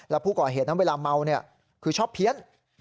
แล้วผู้ก่อเหตุนั้นเวลาเมาคือชอบเพี้ยน